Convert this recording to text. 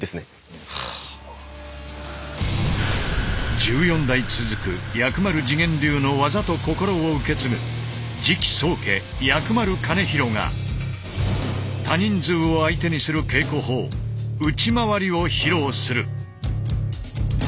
１４代続く薬丸自顕流の技と心を受け継ぐ次期宗家薬丸兼弘が多人数を相手にする稽古法打ち廻りを披露する。